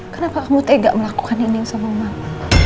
kenapa kamu tega melakukan ini sama mama